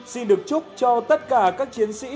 xin được chúc cho tất cả các chiến sĩ